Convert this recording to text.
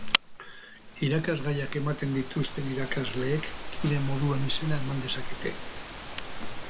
Irakasgaiak ematen dituzten irakasleek kide moduan izena eman dezakete.